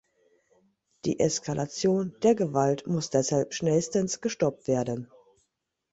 Die Eskalation der Gewalt muss deshalb schnellstens gestoppt werden.